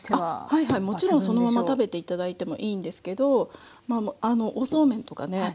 はいはいもちろんそのまま食べて頂いてもいいんですけどおそうめんとかね